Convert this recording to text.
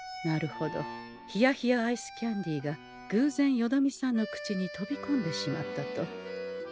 なるほど冷や冷やアイスキャンディがぐう然よどみさんの口に飛びこんでしまったと。